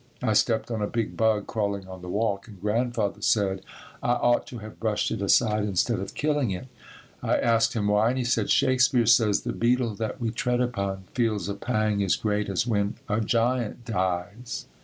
I stepped on a big bug crawling on the walk and Grandfather said I ought to have brushed it aside instead of killing it. I asked him why and he said, "Shakespeare says, 'The beetle that we tread upon feels a pang as great as when a giant dies.'"